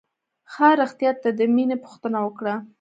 ښه رښتيا تا د مينې پوښتنه وکړه.